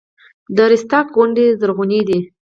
د رستاق غونډۍ زرغونې دي